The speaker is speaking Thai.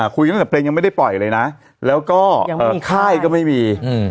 คุยกันตั้งแต่เพลงยังไม่ได้ปล่อยเลยนะแล้วก็ค่ายก็ไม่มี